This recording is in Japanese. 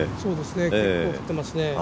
結構、降っていますね。